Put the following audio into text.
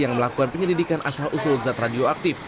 yang melakukan penyelidikan asal usul zat radioaktif